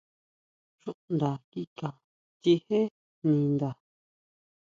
Xuʼnda kika chijé ninda.